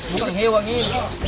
bukan hewang ini